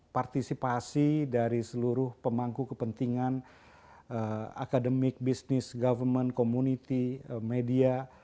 partisipasi dari seluruh pemangku kepentingan academic business government community media